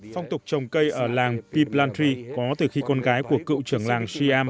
phong tục trồng cây ở làng pip landry có từ khi con gái của cựu trưởng làng siam